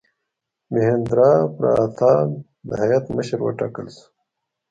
میهندراپراتاپ د هیات مشر وټاکل شو.